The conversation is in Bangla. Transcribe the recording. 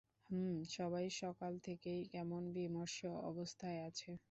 হুম, সবাই সকাল থেকেই কেমন বিমর্ষ অবস্থায় আছে!